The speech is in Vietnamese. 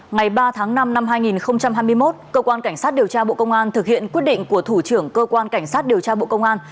ngày ba tháng năm năm hai nghìn hai mươi một cơ quan cảnh sát điều tra bộ công an thực hiện quyết định của thủ trưởng cơ quan cảnh sát điều tra bộ công an